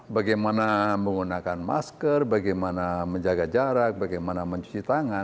bagaimana menggunakan masker bagaimana menjaga jarak bagaimana mencuci tangan